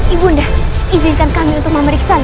ibu izinkan kami untuk memeriksanya